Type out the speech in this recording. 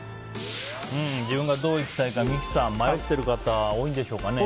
自分がどう生きたいか三木さん、迷っている方多いんでしょうかね。